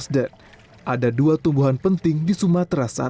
tapi tidak toolkit mau kampung tubuhnya dengan melewi roti rotimuetrhoification